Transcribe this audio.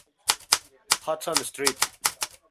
Hudson Street".